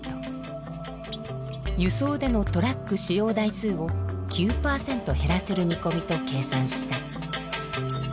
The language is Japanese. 輸送でのトラック使用台数を９％減らせるみこみと計算した。